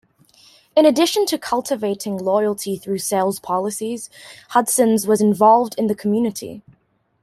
In addition to cultivating loyalty through sales policies, Hudson's was involved in the community.